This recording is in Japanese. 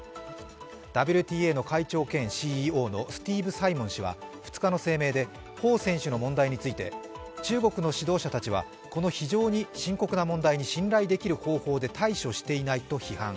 ＷＴＡの会長兼ＣＥＯのスティーブ・サイモン氏は２日の声明で彭選手の問題について中国の指導者たちはこの非常に深刻な問題に信頼できる方法で対処していないと批判。